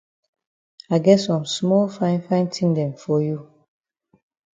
I get some small fine fine tin dem for you.